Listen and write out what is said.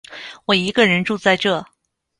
我一个人住在这